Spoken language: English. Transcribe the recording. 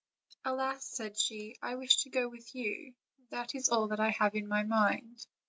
"Alas!" said she, "I wish to go with you; that is all that I have in my mind."